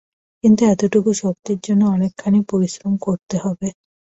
কিন্তু এতটুকু শক্তির জন্য অনেকখানি পরিশ্রম করতে হবে।